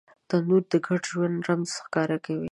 تنور د ګډ ژوند رمز ښکاره کوي